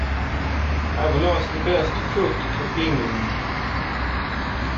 I've lost the best cook to England.